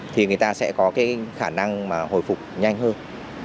thì người ta sẽ có cái khả năng mà hồi phục nhanh hơn